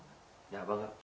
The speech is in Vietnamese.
dạ vâng ạ